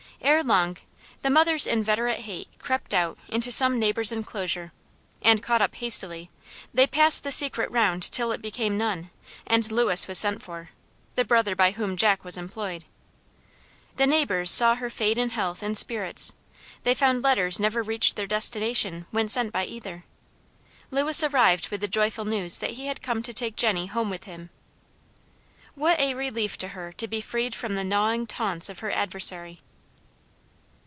Ere long, the mother's inveterate hate crept out into some neighbor's enclosure, and, caught up hastily, they passed the secret round till it became none, and Lewis was sent for, the brother by whom Jack was employed. The neighbors saw her fade in health and spirits; they found letters never reached their destination when sent by either. Lewis arrived with the joyful news that he had come to take Jenny home with him. What a relief to her to be freed from the gnawing taunts of her adversary.